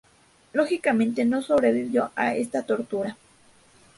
Lógicamente no sobrevivió a esta tortura.